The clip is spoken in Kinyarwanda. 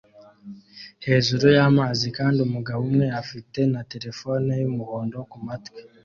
hejuru y'amazi kandi umugabo umwe afite na terefone y'umuhondo ku matwi